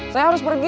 saya harus pergi